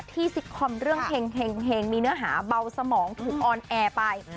ซิกคอมเรื่องเห็งมีเนื้อหาเบาสมองถูกออนแอร์ไป